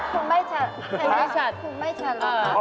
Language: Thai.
คุณไม่ฉัดคุณไม่ฉลา